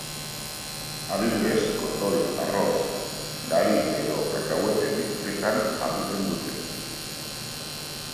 Adibidez, kotoi, arroz, gari edo kakahuete bilketan jarduten dute.